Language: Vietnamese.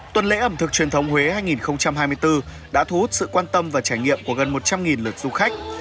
tuần lễ ẩm thực truyền thống huế hai nghìn hai mươi bốn đã thu hút sự quan tâm và trải nghiệm của gần một trăm linh lượt du khách